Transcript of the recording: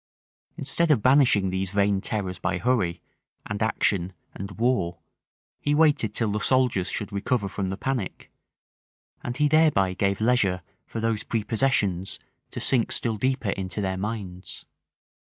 Instead of banishing these vain terrors by hurry, and action, and war, he waited till the soldiers should recover from the panic; and he thereby gave leisure for those prepossessions to sink still deeper into their minds.